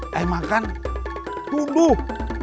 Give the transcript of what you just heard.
saya makan duduk